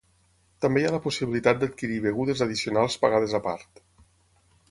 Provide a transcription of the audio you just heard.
També hi ha la possibilitat d'adquirir begudes addicionals pagades a part.